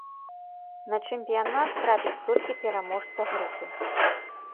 На чэмпіянат трапіць толькі пераможца групы.